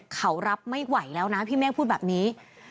เขารับไม่ไหวแล้วนะพี่เมฆพูดแบบนี้